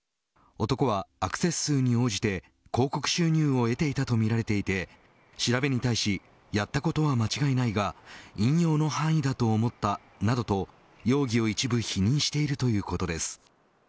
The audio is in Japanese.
男はアクセス数に応じて広告収入を得ていたとみられていて調べに対しやったことは間違いないが引用の範囲だと思ったなどと容疑を一部否認しているということです。